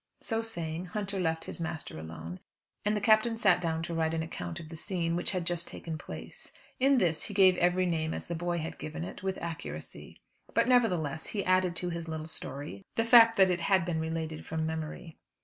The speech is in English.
So saying, Hunter left his master alone, and the Captain sat down to write an account of the scene which had just taken place. In this he gave every name as the boy had given it, with accuracy; but, nevertheless, he added to his little story the fact that it had been related from memory.